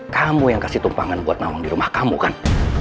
kamu yang kasih tumpangan buat nawang di rumah kamu kan